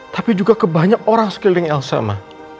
tapi juga ke banyak orang sekiling elsa ma